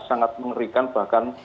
sangat mengerikan bahkan